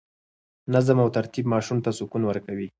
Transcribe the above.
نظم او ترتیب ماشوم ته سکون ورکوي.